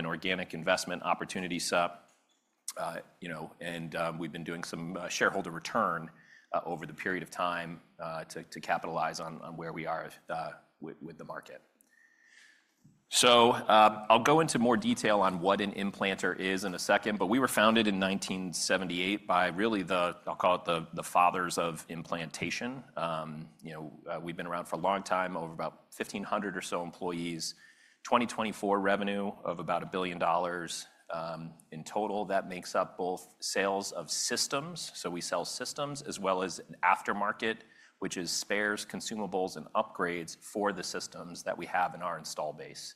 An organic investment opportunity set up, you know, and we've been doing some shareholder return over the period of time to capitalize on where we are with the market. I'll go into more detail on what an implanter is in a second, but we were founded in 1978 by really the, I'll call it the fathers of implantation. You know, we've been around for a long time, over about 1,500 or so employees, 2024 revenue of about $1 billion in total. That makes up both sales of systems, so we sell systems, as well as aftermarket, which is spares, consumables, and upgrades for the systems that we have in our install base.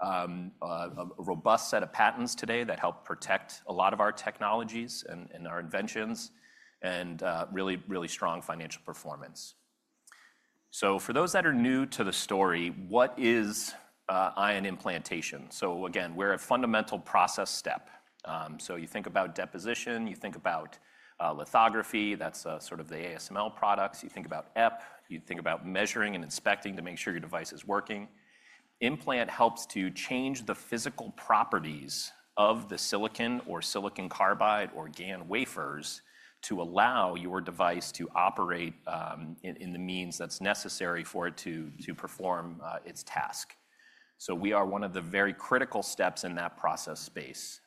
A robust set of patents today that help protect a lot of our technologies and our inventions, and really, really strong financial performance. For those that are new to the story, what is Ion implantation? Again, we're a fundamental process step. You think about deposition, you think about lithography, that's sort of the ASML products, you think about EP, you think about measuring and inspecting to make sure your device is working. Implant helps to change the physical properties of the silicon or silicon carbide or GaN wafers to allow your device to operate in the means that's necessary for it to perform its task. We are one of the very critical steps in that process space.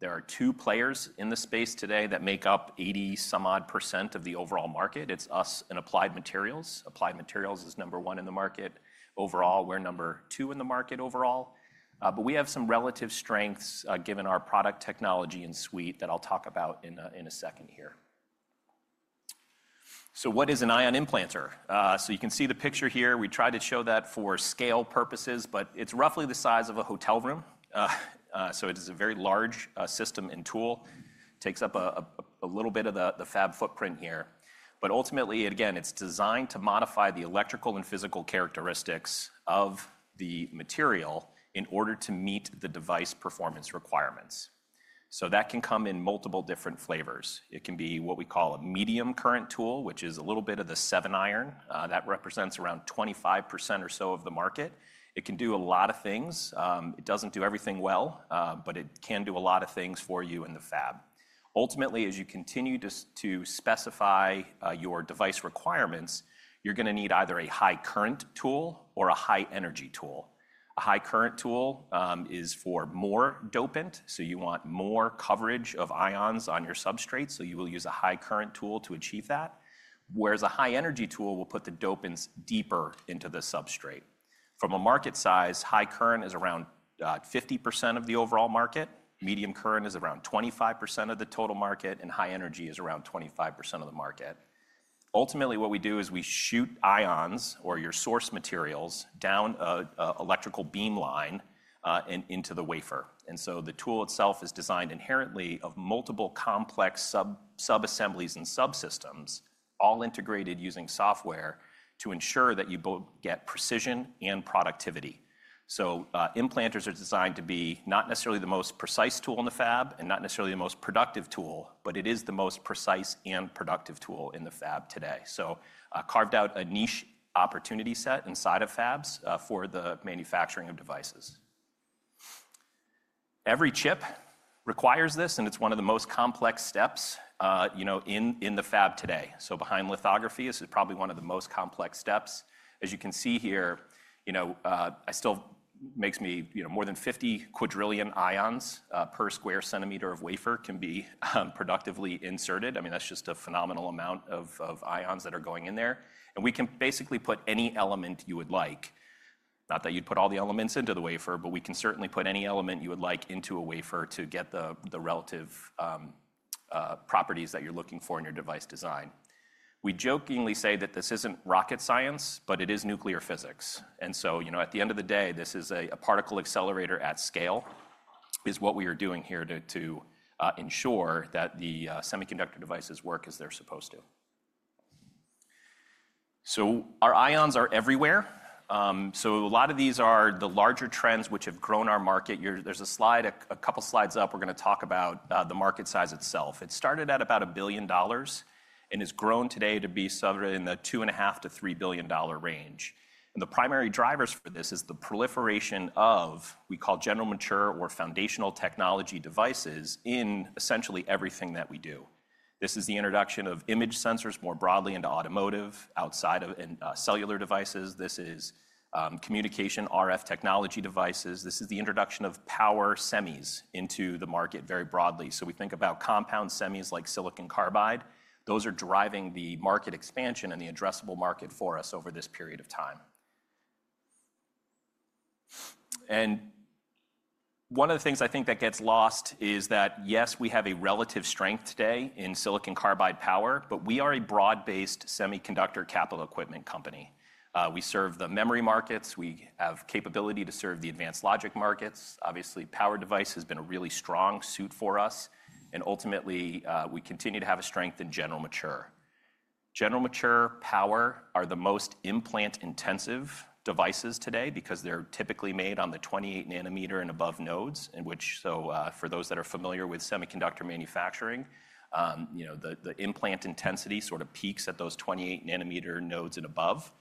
There are two players in the space today that make up 80% some odd % of the overall market. It's us and Applied Materials. Applied Materials is number one in the market overall. We're number two in the market overall. We have some relative strengths given our product technology and suite that I'll talk about in a second here. What is an ion implanter? You can see the picture here. We tried to show that for scale purposes, but it is roughly the size of a hotel room. It is a very large system and tool, takes up a little bit of the fab footprint here. Ultimately, again, it is designed to modify the electrical and physical characteristics of the material in order to meet the device performance requirements. That can come in multiple different flavors. It can be what we call a medium current tool, which is a little bit of the seven iron. That represents around 25% or so of the market. It can do a lot of things. It does not do everything well, but it can do a lot of things for you in the fab. Ultimately, as you continue to specify your device requirements, you're going to need either a high current tool or a high energy tool. A high current tool is for more dopant, so you want more coverage of ions on your substrate, so you will use a high current tool to achieve that. Whereas a high energy tool will put the dopants deeper into the substrate. From a market size, high current is around 50% of the overall market, medium current is around 25% of the total market, and high energy is around 25% of the market. Ultimately, what we do is we shoot ions or your source materials down an electrical beam line into the wafer. The tool itself is designed inherently of multiple complex sub-assemblies and subsystems, all integrated using software to ensure that you both get precision and productivity. Implanters are designed to be not necessarily the most precise tool in the fab and not necessarily the most productive tool, but it is the most precise and productive tool in the fab today. Carved out a niche opportunity set inside of fabs for the manufacturing of devices. Every chip requires this, and it is one of the most complex steps, you know, in the fab today. Behind lithography is probably one of the most complex steps. As you can see here, you know, it still makes me, you know, more than 50 quadrillion ions per square centimeter of wafer can be productively inserted. I mean, that is just a phenomenal amount of ions that are going in there. We can basically put any element you would like. Not that you'd put all the elements into the wafer, but we can certainly put any element you would like into a wafer to get the relative properties that you're looking for in your device design. We jokingly say that this isn't rocket science, but it is nuclear physics. And so, you know, at the end of the day, this is a particle accelerator at scale, is what we are doing here to ensure that the semiconductor devices work as they're supposed to. So our ions are everywhere. So a lot of these are the larger trends which have grown our market. There's a slide, a couple slides up, we're going to talk about the market size itself. It started at about $1 billion and has grown today to be somewhere in the $2.5 billion-$3 billion range. The primary drivers for this is the proliferation of what we call general mature or foundational technology devices in essentially everything that we do. This is the introduction of image sensors more broadly into automotive, outside of cellular devices. This is communication RF technology devices. This is the introduction of power semis into the market very broadly. We think about compound semis like silicon carbide. Those are driving the market expansion and the addressable market for us over this period of time. One of the things I think that gets lost is that, yes, we have a relative strength today in silicon carbide power, but we are a broad-based semiconductor capital equipment company. We serve the memory markets. We have capability to serve the advanced logic markets. Obviously, power device has been a really strong suit for us. Ultimately, we continue to have a strength in general mature. General mature power are the most implant intensive devices today because they're typically made on the 28 nanometer and above nodes, in which, so for those that are familiar with semiconductor manufacturing, you know, the implant intensity sort of peaks at those 28 nanometer nodes and above.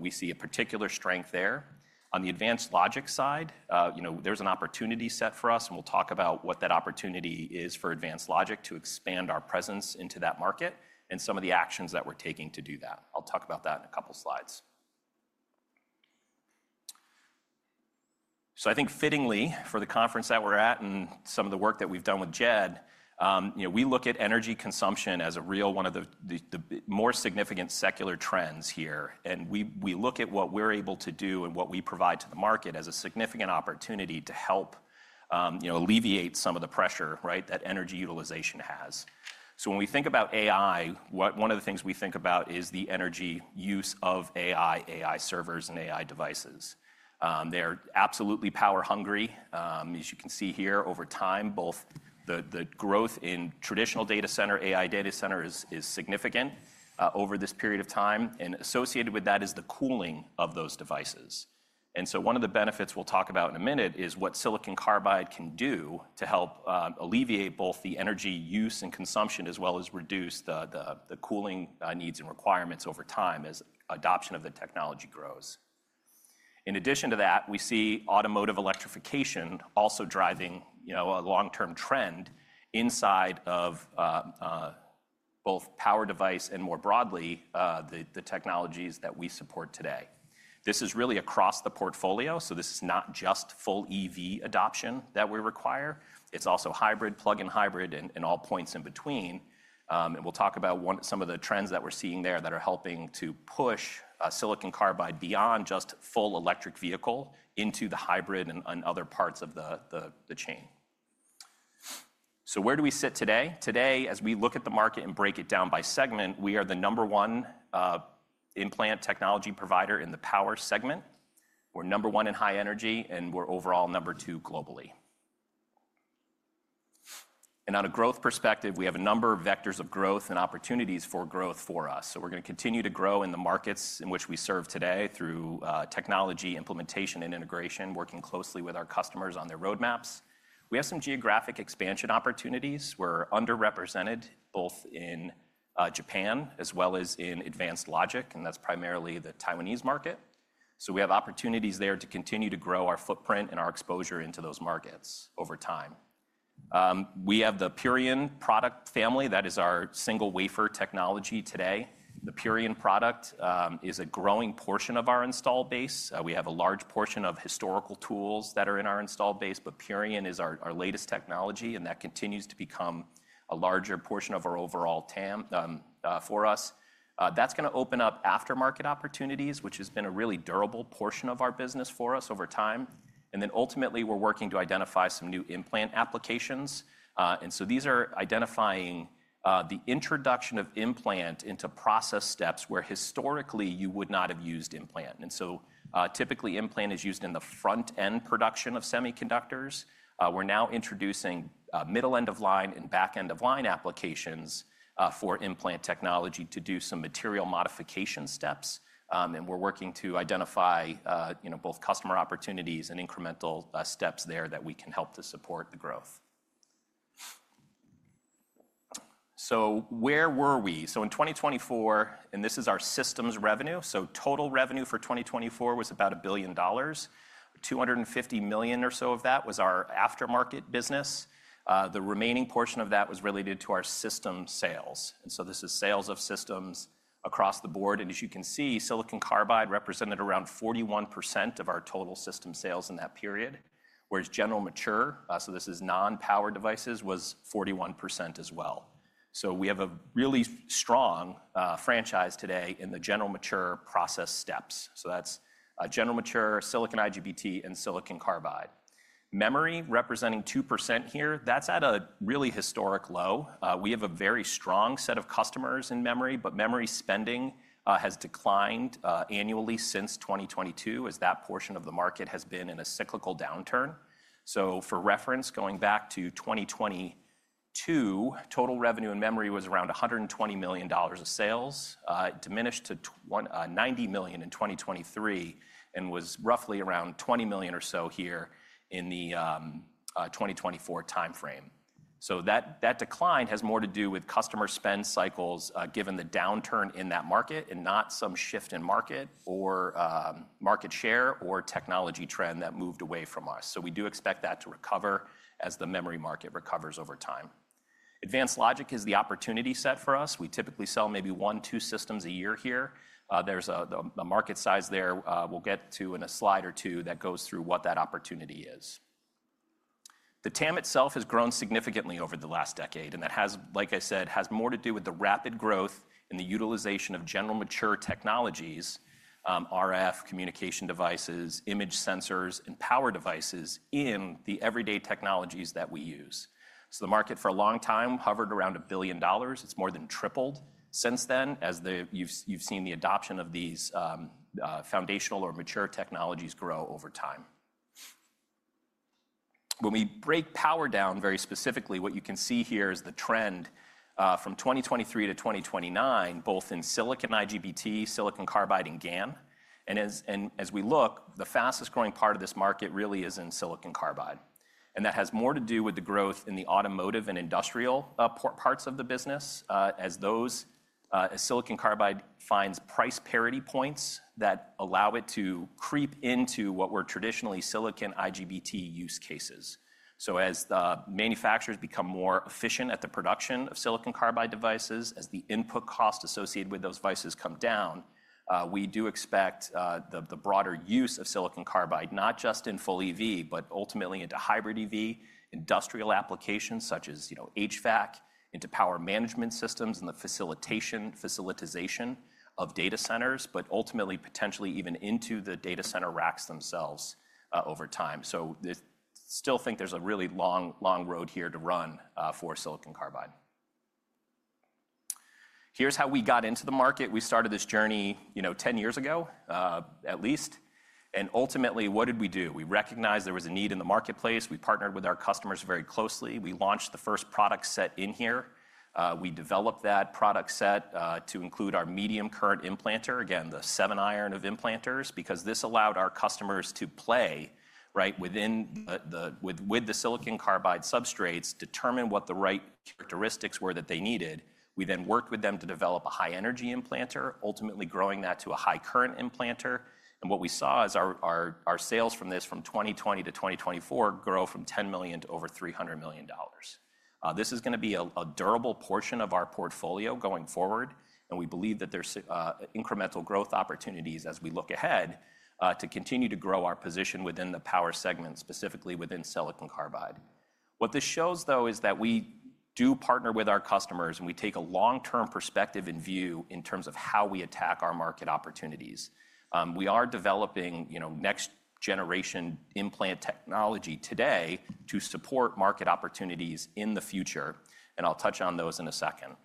We see a particular strength there. On the advanced logic side, you know, there's an opportunity set for us, and we'll talk about what that opportunity is for advanced logic to expand our presence into that market and some of the actions that we're taking to do that. I'll talk about that in a couple slides. I think fittingly for the conference that we're at and some of the work that we've done with Jed, you know, we look at energy consumption as a real one of the more significant secular trends here. We look at what we're able to do and what we provide to the market as a significant opportunity to help, you know, alleviate some of the pressure, right, that energy utilization has. When we think about AI, one of the things we think about is the energy use of AI, AI servers, and AI devices. They're absolutely power hungry. As you can see here, over time, both the growth in traditional data center, AI data center is significant over this period of time. Associated with that is the cooling of those devices. One of the benefits we'll talk about in a minute is what silicon carbide can do to help alleviate both the energy use and consumption as well as reduce the cooling needs and requirements over time as adoption of the technology grows. In addition to that, we see automotive electrification also driving, you know, a long-term trend inside of both power device and more broadly the technologies that we support today. This is really across the portfolio. This is not just full EV adoption that we require. It's also hybrid, plug-in hybrid, and all points in between. We'll talk about some of the trends that we're seeing there that are helping to push silicon carbide beyond just full electric vehicle into the hybrid and other parts of the chain. Where do we sit today? Today, as we look at the market and break it down by segment, we are the number one implant technology provider in the power segment. We're number one in high energy, and we're overall number two globally. On a growth perspective, we have a number of vectors of growth and opportunities for growth for us. We're going to continue to grow in the markets in which we serve today through technology, implementation, and integration, working closely with our customers on their roadmaps. We have some geographic expansion opportunities. We're underrepresented both in Japan as well as in advanced logic, and that's primarily the Taiwanese market. We have opportunities there to continue to grow our footprint and our exposure into those markets over time. We have the Purion product family. That is our single wafer technology today. The Purion product is a growing portion of our install base. We have a large portion of historical tools that are in our install base, but Purion is our latest technology, and that continues to become a larger portion of our overall TAM for us. That is going to open up aftermarket opportunities, which has been a really durable portion of our business for us over time. Ultimately, we're working to identify some new implant applications. These are identifying the introduction of implant into process steps where historically you would not have used implant. Typically, implant is used in the front-end production of semiconductors. We're now introducing middle end of line and back end of line applications for implant technology to do some material modification steps. We're working to identify, you know, both customer opportunities and incremental steps there that we can help to support the growth. Where were we? In 2024, and this is our systems revenue. Total revenue for 2024 was about $1 billion. $250 million or so of that was our aftermarket business. The remaining portion of that was related to our system sales. This is sales of systems across the board. As you can see, silicon carbide represented around 41% of our total system sales in that period, whereas general mature, so this is non-power devices, was 41% as well. We have a really strong franchise today in the general mature process steps. That is general mature, silicon IGBT, and silicon carbide. Memory representing 2% here, that is at a really historic low. We have a very strong set of customers in memory, but memory spending has declined annually since 2022 as that portion of the market has been in a cyclical downturn. For reference, going back to 2022, total revenue in memory was around $120 million of sales. It diminished to $90 million in 2023 and was roughly around $20 million or so here in the 2024 timeframe. That decline has more to do with customer spend cycles given the downturn in that market and not some shift in market or market share or technology trend that moved away from us. We do expect that to recover as the memory market recovers over time. Advanced logic is the opportunity set for us. We typically sell maybe one, two systems a year here. There is a market size there we will get to in a slide or two that goes through what that opportunity is. The TAM itself has grown significantly over the last decade, and that has, like I said, has more to do with the rapid growth and the utilization of general mature technologies, RF communication devices, image sensors, and power devices in the everyday technologies that we use. The market for a long time hovered around $1 billion. It has more than tripled since then as you have seen the adoption of these foundational or mature technologies grow over time. When we break power down very specifically, what you can see here is the trend from 2023 to 2029, both in silicon IGBT, silicon carbide, and GaN. As we look, the fastest growing part of this market really is in silicon carbide. That has more to do with the growth in the automotive and industrial parts of the business as those silicon carbide finds price parity points that allow it to creep into what were traditionally silicon IGBT use cases. As manufacturers become more efficient at the production of silicon carbide devices, as the input cost associated with those devices come down, we do expect the broader use of silicon carbide, not just in full EV, but ultimately into hybrid EV, industrial applications such as HVAC, into power management systems and the facilitation of data centers, but ultimately potentially even into the data center racks themselves over time. I still think there's a really long, long road here to run for silicon carbide. Here's how we got into the market. We started this journey, you know, 10 years ago at least. Ultimately, what did we do? We recognized there was a need in the marketplace. We partnered with our customers very closely. We launched the first product set in here. We developed that product set to include our medium current implanter, again, the seven iron of implanters, because this allowed our customers to play, right, within the silicon carbide substrates, determine what the right characteristics were that they needed. We then worked with them to develop a high energy implanter, ultimately growing that to a high current implanter. What we saw is our sales from this from 2020 to 2024 grow from $10 million to over $300 million. This is going to be a durable portion of our portfolio going forward. We believe that there's incremental growth opportunities as we look ahead to continue to grow our position within the power segment, specifically within silicon carbide. What this shows, though, is that we do partner with our customers and we take a long-term perspective in view in terms of how we attack our market opportunities. We are developing, you know, next generation implant technology today to support market opportunities in the future. I'll touch on those in a second.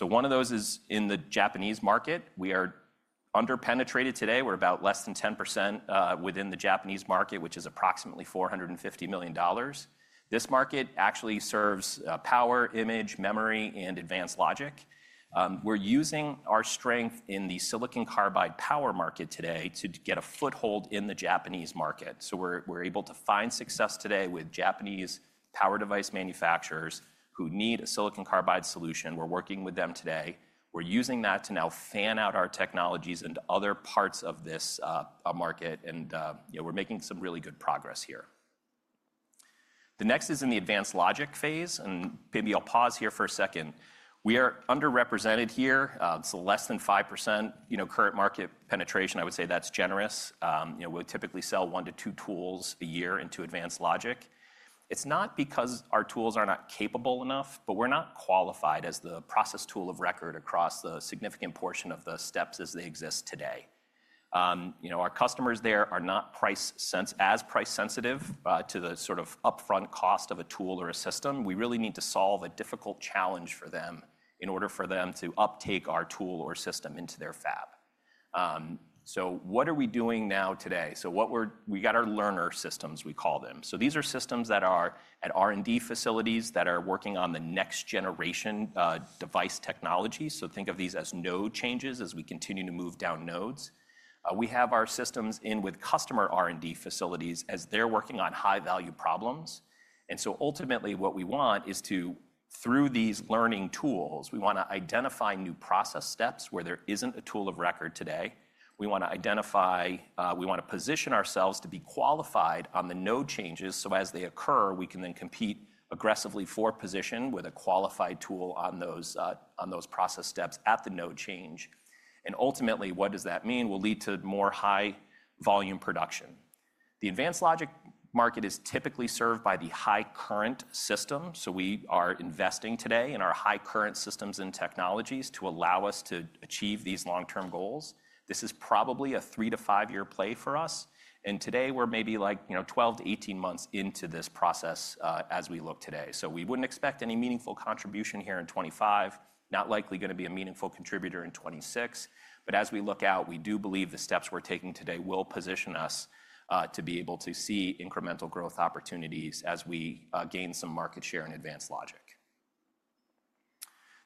One of those is in the Japanese market. We are underpenetrated today. We're about less than 10% within the Japanese market, which is approximately $450 million. This market actually serves power, image, memory, and advanced logic. We're using our strength in the silicon carbide power market today to get a foothold in the Japanese market. We're able to find success today with Japanese power device manufacturers who need a silicon carbide solution. We're working with them today. We're using that to now fan out our technologies into other parts of this market. You know, we're making some really good progress here. The next is in the advanced logic phase. Maybe I'll pause here for a second. We are underrepresented here. It's less than 5% current market penetration. I would say that's generous. We typically sell one to two tools a year into advanced logic. It's not because our tools are not capable enough, but we're not qualified as the process tool of record across the significant portion of the steps as they exist today. Our customers there are not as price sensitive to the sort of upfront cost of a tool or a system. We really need to solve a difficult challenge for them in order for them to uptake our tool or system into their fab. What are we doing now today? What we've got are learner systems, we call them. These are systems that are at R&D facilities that are working on the next generation device technology. Think of these as node changes as we continue to move down nodes. We have our systems in with customer R&D facilities as they're working on high value problems. Ultimately, what we want is to, through these learning tools, identify new process steps where there isn't a tool of record today. We want to position ourselves to be qualified on the node changes so as they occur, we can then compete aggressively for position with a qualified tool on those process steps at the node change. Ultimately, what does that mean? It will lead to more high volume production. The advanced logic market is typically served by the high current system. We are investing today in our high current systems and technologies to allow us to achieve these long-term goals. This is probably a three- to five-year play for us. Today we're maybe, like, you know, 12-18 months into this process as we look today. We would not expect any meaningful contribution here in 2025, not likely going to be a meaningful contributor in 2026. As we look out, we do believe the steps we're taking today will position us to be able to see incremental growth opportunities as we gain some market share in advanced logic.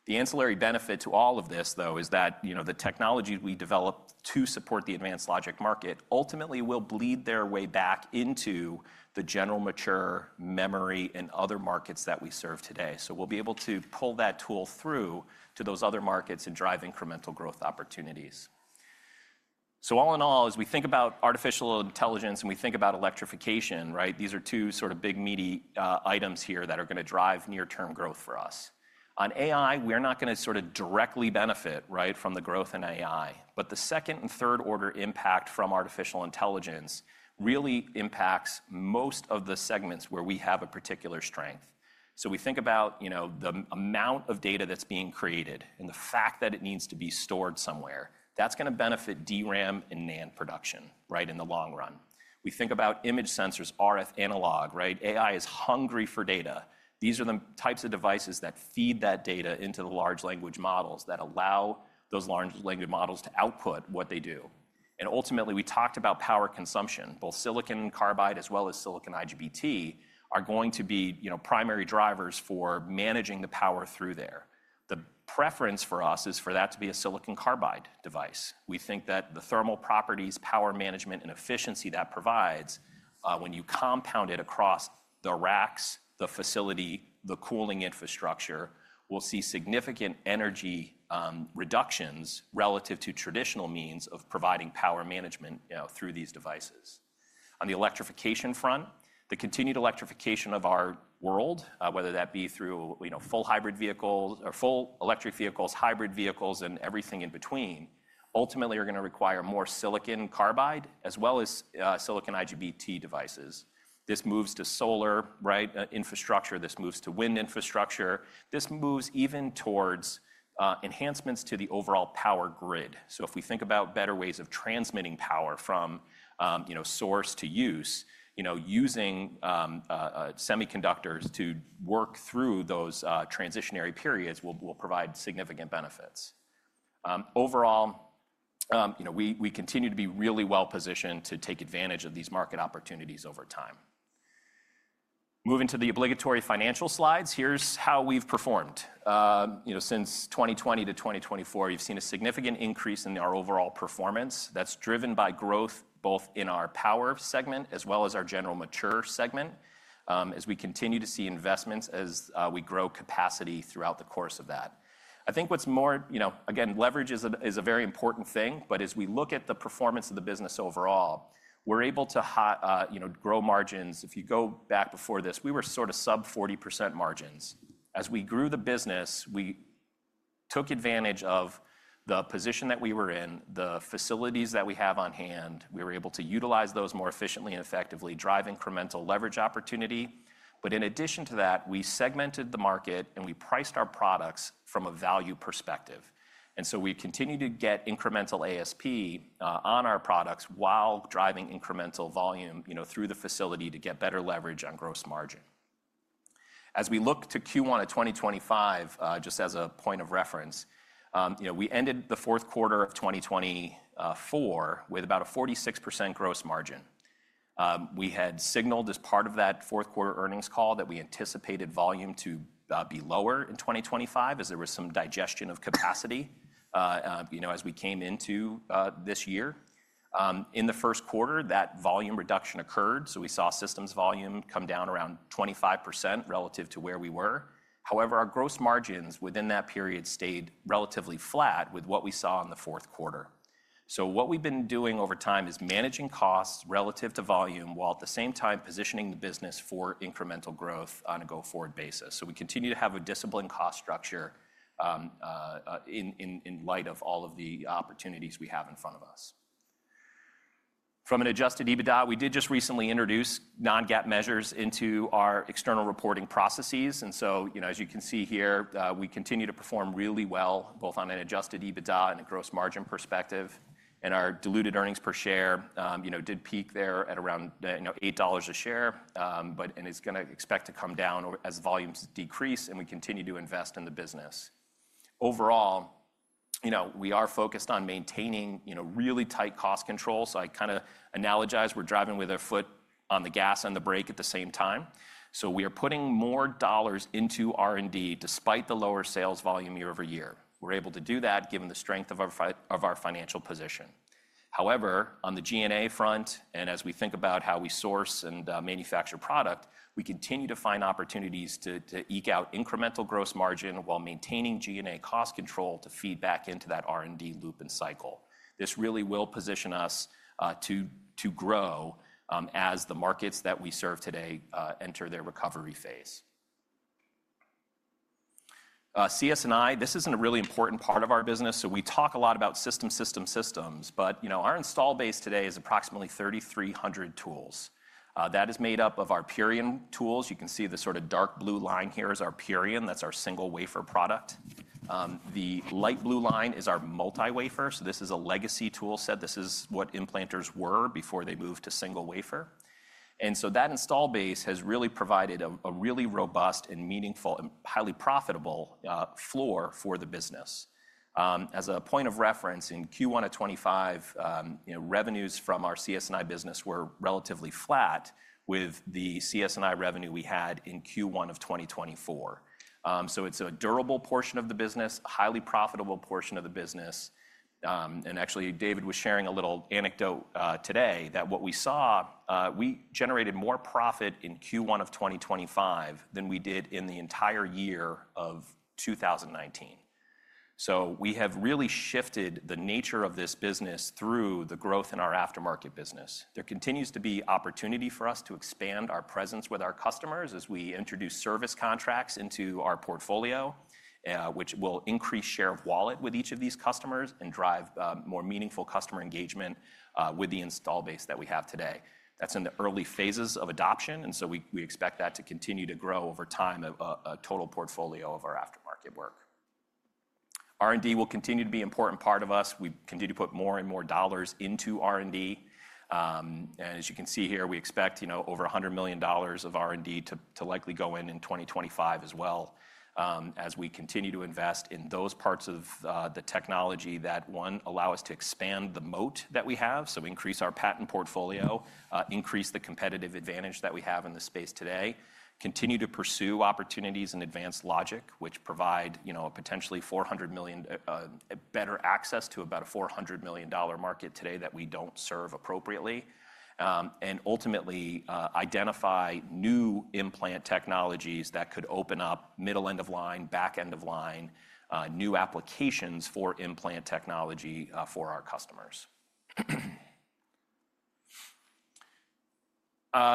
The ancillary benefit to all of this, though, is that, you know, the technology we develop to support the advanced logic market ultimately will bleed their way back into the general mature memory and other markets that we serve today. We will be able to pull that tool through to those other markets and drive incremental growth opportunities. All in all, as we think about artificial intelligence and we think about electrification, right, these are two sort of big meaty items here that are going to drive near-term growth for us. On AI, we're not going to sort of directly benefit, right, from the growth in AI. The second and third order impact from artificial intelligence really impacts most of the segments where we have a particular strength. We think about, you know, the amount of data that's being created and the fact that it needs to be stored somewhere. That's going to benefit DRAM and NAND production, right, in the long run. We think about im age sensors, RF analog, right? AI is hungry for data. These are the types of devices that feed that data into the large language models that allow those large language models to output what they do. Ultimately, we talked about power consumption. Both silicon carbide as well as silicon IGBT are going to be, you know, primary drivers for managing the power through there. The preference for us is for that to be a silicon carbide device. We think that the thermal properties, power management, and efficiency that provides when you compound it across the racks, the facility, the cooling infrastructure, we'll see significant energy reductions relative to traditional means of providing power management, you know, through these devices. On the electrification front, the continued electrification of our world, whether that be through, you know, full hybrid vehicles or full electric vehicles, hybrid vehicles, and everything in between, ultimately are going to require more silicon carbide as well as silicon IGBT devices. This moves to solar, right? Infrastructure. This moves to wind infrastructure. This moves even towards enhancements to the overall power grid. If we think about better ways of transmitting power from, you know, source to use, you know, using semiconductors to work through those transitionary periods will provide significant benefits. Overall, you know, we continue to be really well positioned to take advantage of these market opportunities over time. Moving to the obligatory financial slides, here's how we've performed. You know, since 2020 to 2024, you've seen a significant increase in our overall performance that's driven by growth both in our power segment as well as our general mature segment as we continue to see investments as we grow capacity throughout the course of that. I think what's more, you know, again, leverage is a very important thing. As we look at the performance of the business overall, we're able to, you know, grow margins. If you go back before this, we were sort of sub 40% margins. As we grew the business, we took advantage of the position that we were in, the facilities that we have on hand. We were able to utilize those more efficiently and effectively, drive incremental leverage opportunity. In addition to that, we segmented the market and we priced our products from a value perspective. We continue to get incremental ASP on our products while driving incremental volume, you know, through the facility to get better leverage on gross margin. As we look to Q1 in 2025, just as a point of reference, you know, we ended the fourth quarter of 2024 with about a 46% gross margin. We had signaled as part of that fourth quarter earnings call that we anticipated volume to be lower in 2025 as there was some digestion of capacity, you know, as we came into this year. In the first quarter, that volume reduction occurred. We saw systems volume come down around 25% relative to where we were. However, our gross margins within that period stayed relatively flat with what we saw in the fourth quarter. What we've been doing over time is managing costs relative to volume while at the same time positioning the business for incremental growth on a go-forward basis. We continue to have a disciplined cost structure in light of all of the opportunities we have in front of us. From an adjusted EBITDA, we did just recently introduce non-GAAP measures into our external reporting processes. You know, as you can see here, we continue to perform really well both on an adjusted EBITDA and a gross margin perspective. Our diluted earnings per share, you know, did peak there at around, you know, $8 a share, but it's going to expect to come down as volumes decrease and we continue to invest in the business. Overall, you know, we are focused on maintaining, you know, really tight cost control. I kind of analogize, we're driving with a foot on the gas and the brake at the same time. We are putting more dollars into R&D despite the lower sales volume year-over-year. We're able to do that given the strength of our financial position. However, on the G&A front, and as we think about how we source and manufacture product, we continue to find opportunities to eke out incremental gross margin while maintaining G&A cost control to feed back into that R&D loop and cycle. This really will position us to grow as the markets that we serve today enter their recovery phase. CS&I, this is a really important part of our business. We talk a lot about system, system, systems. You know, our install base today is approximately 3,300 tools. That is made up of our Purion tools. You can see the sort of dark blue line here is our Purion. That's our single wafer product. The light blue line is our multi-wafer. This is a legacy tool set. This is what implanters were before they moved to single wafer. That install base has really provided a really robust and meaningful and highly profitable floor for the business. As a point of reference, in Q1 of 2025, revenues from our CS&I business were relatively flat with the CS&I revenue we had in Q1 of 2024. It is a durable portion of the business, a highly profitable portion of the business. Actually, David was sharing a little anecdote today that what we saw, we generated more profit in Q1 of 2025 than we did in the entire year of 2019. We have really shifted the nature of this business through the growth in our aftermarket business. There continues to be opportunity for us to expand our presence with our customers as we introduce service contracts into our portfolio, which will increase share of wallet with each of these customers and drive more meaningful customer engagement with the install base that we have today. That is in the early phases of adoption. We expect that to continue to grow over time, a total portfolio of our aftermarket work. R&D will continue to be an important part of us. We continue to put more and more dollars into R&D. As you can see here, we expect, you know, over $100 million of R&D to likely go in in 2025 as well as we continue to invest in those parts of the technology that, one, allow us to expand the moat that we have. Increase our patent portfolio, increase the competitive advantage that we have in the space today, continue to pursue opportunities in advanced logic, which provide, you know, a potentially $400 million, better access to about a $400 million market today that we do not serve appropriately, and ultimately identify new implant technologies that could open up middle end of line, back end of line, new applications for implant technology for our customers.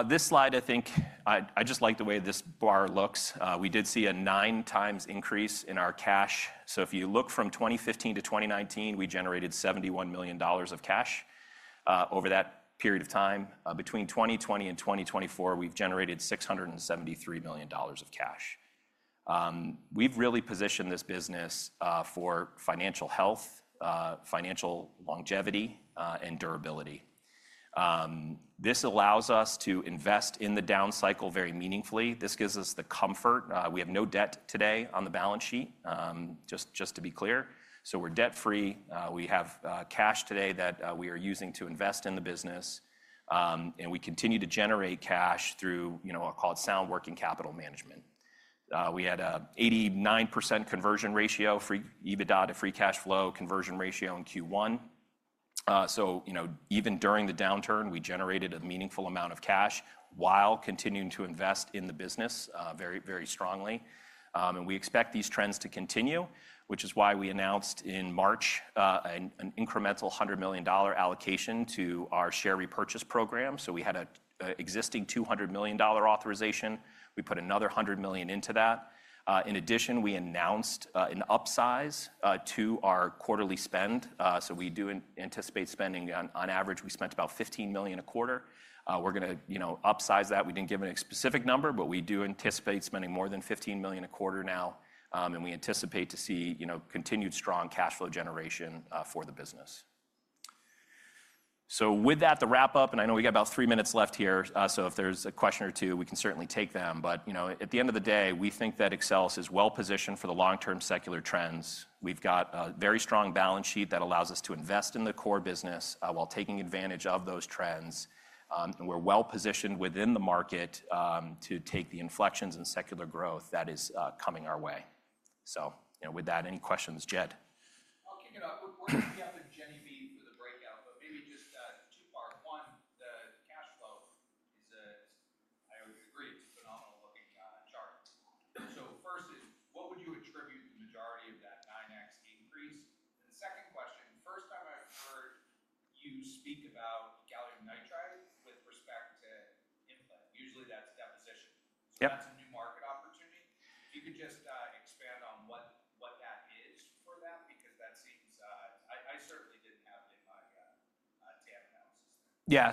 This slide, I think, I just like the way this bar looks. We did see a nine times increase in our cash. If you look from 2015 to 2019, we generated $71 million of cash over that period of time. Between 2020 and 2024, we've generated $673 million of cash. We've really positioned this business for financial health, financial longevity, and durability. This allows us to invest in the down cycle very meaningfully. This gives us the comfort. We have no debt today on the balance sheet, just to be clear. We're debt free. We have cash today that we are using to invest in the business. We continue to generate cash through, you know, I'll call it sound working capital management. We had an 89% conversion ratio for EBITDA to free cash flow conversion ratio in Q1. You know, even during the downturn, we generated a meaningful amount of cash while continuing to invest in the business very, very strongly. We expect these trends to continue, which is why we announced in March an incremental $100 million allocation to our share repurchase program. We had an existing $200 million authorization. We put another $100 million into that. In addition, we announced an upsize to our quarterly spend. We do anticipate spending on average, we spent about $15 million a quarter. We are going to, you know, upsize that. We did not give any specific number, but we do anticipate spending more than $15 million a quarter now. We anticipate to see, you know, continued strong cash flow generation for the business. With that, to wrap up, and I know we got about three minutes left here. If there is a question or two, we can certainly take them. You know, at the end of the day, we think that Axcelis is well positioned for the long-term secular trends. We've got a very strong balance sheet that allows us to invest in the core business while taking advantage of those trends. We're well positioned within the market to take the inflections and secular growth that is coming our way. You know, with that, any questions, Jed? I'll kick it off. We're going to be up in Jenny B for the breakout, but maybe just two parts. One, the cash flow is, I would agree, it's a phenomenal looking chart. First is, what would you attribute the majority of that 9X increase? The second question, first time I've heard you speak about gallium nitride with respect to implant. Usually that's deposition. That's a new market opportunity. If you could just expand on what that is for that, because that seems, I certainly didn't have it in my TAM analysis there. Yeah.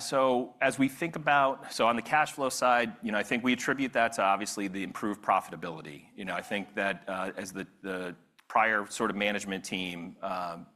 As we think about, on the cash flow side, you know, I think we attribute that to obviously the improved profitability. You know, I think that as the prior sort of management team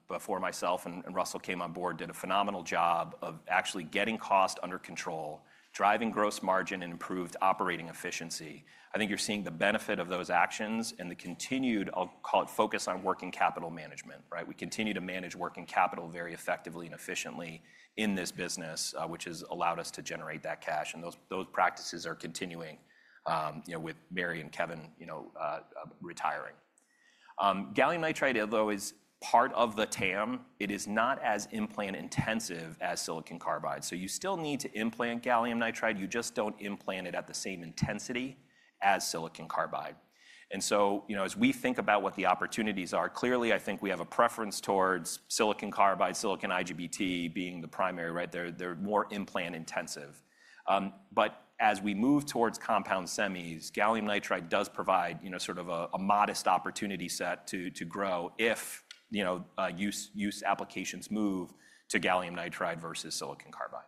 before myself and Russell came on board, did a phenomenal job of actually getting cost under control, driving gross margin and improved operating efficiency. I think you're seeing the benefit of those actions and the continued, I'll call it, focus on working capital management, right? We continue to manage working capital very effectively and efficiently in this business, which has allowed us to generate that cash. Those practices are continuing, you know, with Mary and Kevin, you know, retiring. Gallium nitride, though, is part of the TAM. It is not as implant intensive as silicon carbide. You still need to implant gallium nitride. You just do not implant it at the same intensity as silicon carbide. As we think about what the opportunities are, clearly I think we have a preference towards silicon carbide, silicon IGBT being the primary, right? They are more implant intensive. As we move towards compound semis, gallium nitride does provide, you know, sort of a modest opportunity set to grow if, you know, use applications move to gallium nitride versus silicon carbide.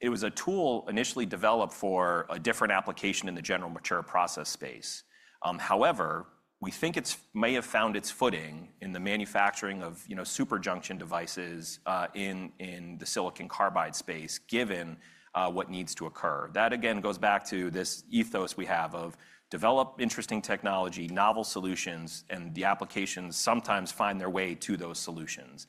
It was a tool initially developed for a different application in the general mature process space. However, we think it may have found its footing in the manufacturing of, you know, super junction devices in the silicon carbide space given what needs to occur. That again goes back to this ethos we have of develop interesting technology, novel solutions, and the applications sometimes find their way to those solutions.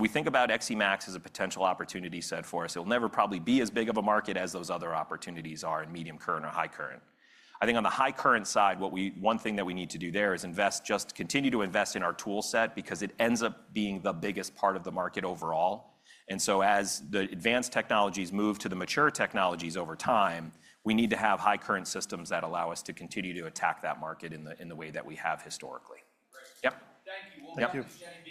We think about XE Max as a potential opportunity set for us. It'll never probably be as big of a market as those other opportunities are in medium current or high current. I think on the high current side, one thing that we need to do there is invest, just continue to invest in our tool set because it ends up being the biggest part of the market overall. As the advanced technologies move to the mature technologies over time, we need to have high current systems that allow us to continue to attack that market in the way that we have historically. Great. Yep. Thank you. We'll let Jenny B on stage.